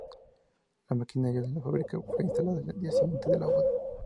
La maquinaria de la fábrica fue instalada al día siguiente de la boda.